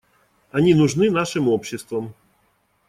Они нужны нашим обществам.